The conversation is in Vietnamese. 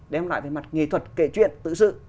đem lại về mặt nghệ thuật kể chuyện tự sự